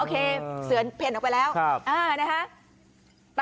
อ๋อโอเคเสือแผ่นออกไปแล้วครับอ่านะคะ